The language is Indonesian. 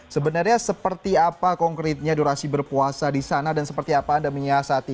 sebenarnya seperti apa konkretnya durasi berpuasa di sana dan seperti apa anda menyiasati